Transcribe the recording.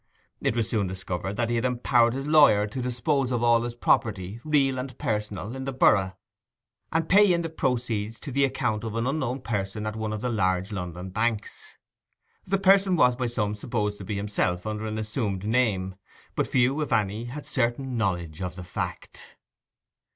It was soon discovered that he had empowered his lawyer to dispose of all his property, real and personal, in the borough, and pay in the proceeds to the account of an unknown person at one of the large London banks. The person was by some supposed to be himself under an assumed name; but few, if any, had certain knowledge of that fact.